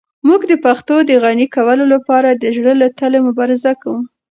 موږ د پښتو د غني کولو لپاره د زړه له تله مبارزه کوو.